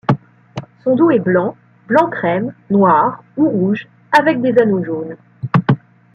Son dos est blanc, blanc-crème, noir ou rouge avec des anneaux jaunes.